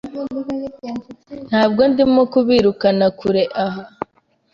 Ntabwo ndimo kubirukana kure aha.